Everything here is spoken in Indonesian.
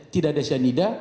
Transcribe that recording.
tidak ada cyanida